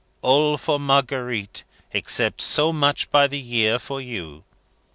'All for Marguerite, except so much by the year for you.